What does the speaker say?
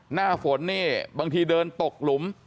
หน้าฝนนี่บางทีเดินตกหลุม